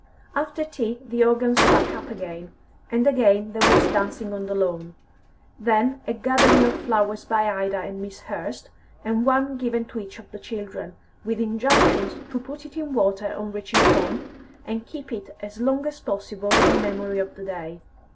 After tea the organ struck up again, and again there was dancing on the lawn. Then a gathering of flowers by Ida and Miss Hurst, and one given to each of the children, with injunctions to put it in water on reaching home, and keep it as long as possible in memory of the day.